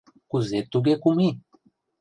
— Кузе туге Кум И?